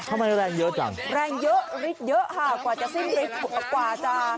แรงเยอะจังแรงเยอะฤทธิ์เยอะค่ะกว่าจะสิ้นฤทธิ์กว่าจะ